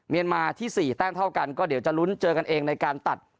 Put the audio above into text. เมียนมาที่๔แต้มเท่ากันก็เดี๋ยวจะลุ้นเจอกันเองในการตัด